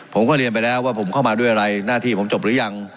ผมก็เรียนไปแล้วว่าผมเข้ามาด้วยอะไรหน้าที่ผมจบหรือยัง